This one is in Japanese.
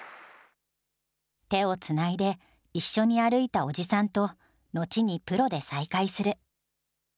手をつないで一緒に歩いたおじさんとのちにプロで再会する。